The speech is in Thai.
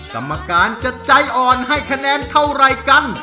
กรรมการจะใจอ่อนให้คะแนนเท่าไรกัน